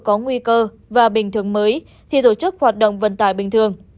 có nguy cơ và bình thường mới thì tổ chức hoạt động vận tải bình thường